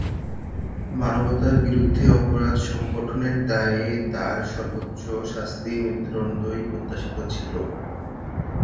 মানবতার বিরুদ্ধে অপরাধ সংঘটনের দায়ে তাঁর সর্বোচ্চ শাস্তি মৃত্যুদণ্ডই প্রত্যাশিত ছিল।